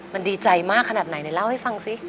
มันดีใจมากขนาดไหนไหนเล่าให้ฟังสิ